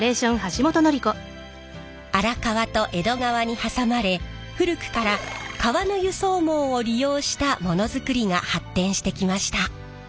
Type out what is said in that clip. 荒川と江戸川にはさまれ古くから川の輸送網を利用したものづくりが発展してきました。